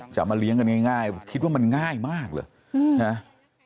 จะมาเลี้ยงกันง่ายคิดว่ามันง่ายมากเลยนะ